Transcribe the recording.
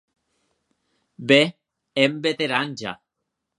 Be èm veterans ja!.